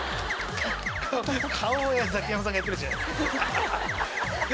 顔はザキヤマさんがやってるじゃないですか。